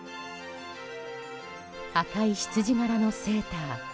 赤いヒツジ柄のセーター。